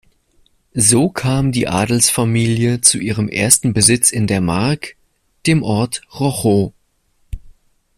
So kam die Adelsfamilie zu ihrem ersten Besitz in der Mark, dem Ort Rochow.